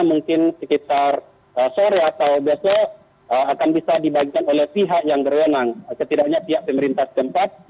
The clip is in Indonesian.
mungkin sekitar sore atau besok akan bisa dibagikan oleh pihak yang berwenang setidaknya pihak pemerintah tempat